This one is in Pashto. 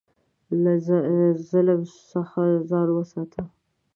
له ظلم څخه ځان وساته.